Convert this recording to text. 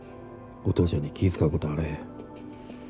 お父ちゃんに気ぃ遣うことあれへん。